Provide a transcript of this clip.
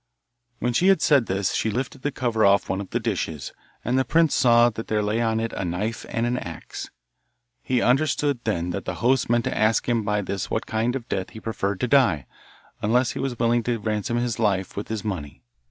When she had said this she lifted the cover off one of the dishes, and the prince saw that there lay on it a knife and an axe. He understood then that the host meant to ask him by this what kind of death he preferred to die, unless he was willing to ransom his life with his money.